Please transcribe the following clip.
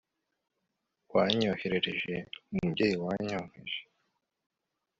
wanyoherereje umubyeyi wanyonkeje